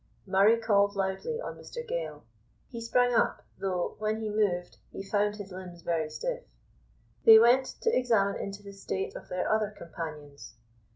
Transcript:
Murray called loudly on Mr Gale. He sprang up; though, when he moved, he found his limbs very stiff. They went to examine into the state of their other companions.